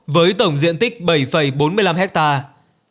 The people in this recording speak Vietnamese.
với tổng diện tích bảy bốn mươi năm hectare